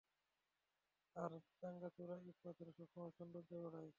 আর ভাঙ্গাচোরা ইট পাথর সবসময় সৌন্দর্য বাড়ায়।